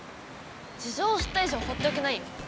じじょうを知った以上ほうっておけないよ。